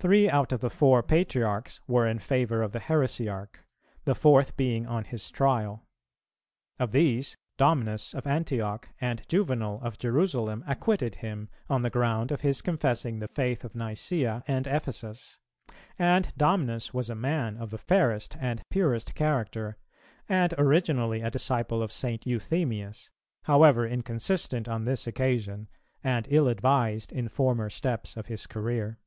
Three out of the four patriarchs were in favour of the heresiarch, the fourth being on his trial. Of these Domnus of Antioch and Juvenal of Jerusalem acquitted him, on the ground of his confessing the faith of Nicæa and Ephesus: and Domnus was a man of the fairest and purest character, and originally a disciple of St. Euthemius, however inconsistent on this occasion, and ill advised in former steps of his career.